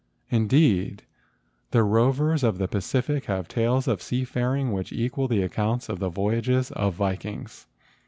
Indeed the rovers of the Pacific have tales of seafaring which equal the accounts of the voy¬ ages of the Vikings.